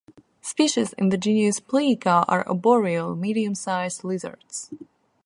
Species in the genus "Plica" are arboreal, medium-sized lizards.